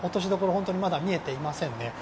本当にまだ見えていませんね。